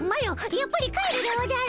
やっぱり帰るでおじゃる。